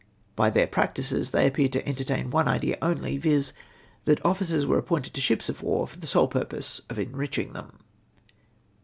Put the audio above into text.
By their practices they appeared to entertain one idea only, viz. that officers were appointed to ships of war for the sole purpose of enriching them